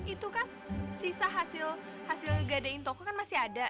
itu kan sisa hasil gadein toko kan masih ada